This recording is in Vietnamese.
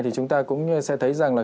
thì chúng ta cũng sẽ thấy rằng là